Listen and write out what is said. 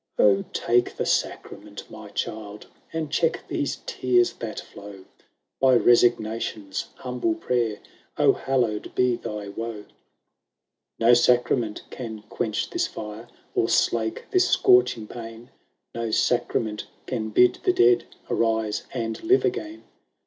XVI " O take the sacrament, my child, And check these tears that flow ; By resignation's humble prayer, O hallowed be thy woe !"" No sacrament can quench this fire, Or slake this scorching pain : No sacrament can bid the dead Arise and live again.